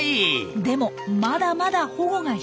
でもまだまだ保護が必要です。